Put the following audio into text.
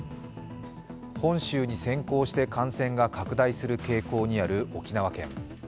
本州に先行して感染が拡大する傾向にある沖縄県。